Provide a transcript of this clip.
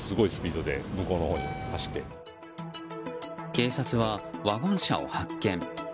警察はワゴン車を発見。